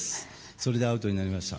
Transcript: それでアウトになりました。